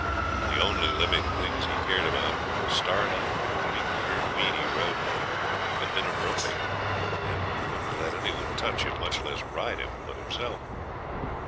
The only living things he cared about were Starlight and the three cornered weed he rode, that had been a 'brumbee', and wouldn't let any one touch him, much less ride him, but himself.